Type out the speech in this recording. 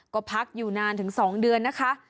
ก็พักอยู่นานถึง๒เดือนนะคะ